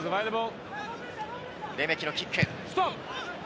レメキのキック。